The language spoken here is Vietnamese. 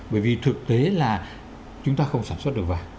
bởi vì thực tế là chúng ta không sản xuất được vàng